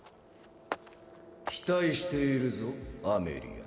期待しているぞアメリア